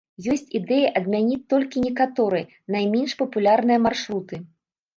Ёсць ідэя адмяніць толькі некаторыя, найменш папулярныя маршруты.